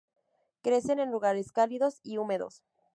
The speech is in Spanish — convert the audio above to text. Crecen en lugares cálidos y húmedos.